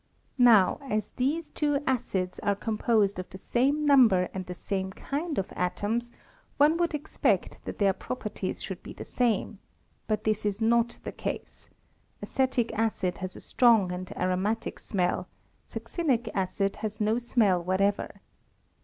Now as these two acids are composed of the same number and e kind of atoms, one would expect that their properties should be the same ; but this is not '' acetic acid has a strong and aromatic c acid has no smell whatever.